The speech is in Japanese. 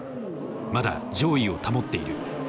まだ上位を保っている。